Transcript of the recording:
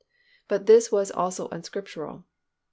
But this was also unscriptural.